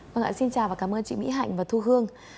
vâng ạ xin chào và cảm ơn chị mỹ hạnh và thu hương